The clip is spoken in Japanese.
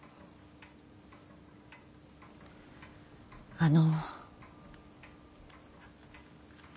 あの。